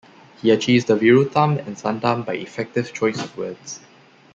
He achieves the Virutham and Santham by effective choice of words.